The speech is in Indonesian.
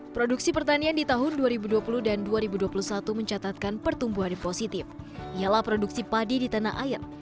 produksi pertanian di tahun dua ribu dua puluh dan dua ribu dua puluh satu mencatatkan pertumbuhan positif ialah produksi padi di tanah air